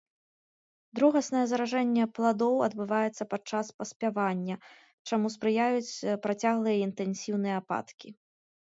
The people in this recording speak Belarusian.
Другаснае заражэнне пладоў адбываецца падчас паспявання, чаму спрыяюць працяглыя і інтэнсіўныя ападкі.